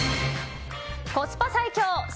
“コスパ最強”